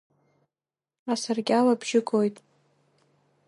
Асаркьал абжьы гоит.